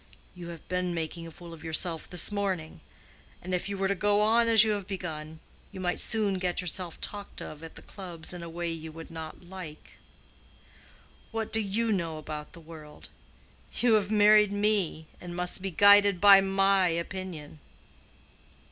You have been making a fool of yourself this morning; and if you were to go on as you have begun, you might soon get yourself talked of at the clubs in a way you would not like. What do you know about the world? You have married me, and must be guided by my opinion."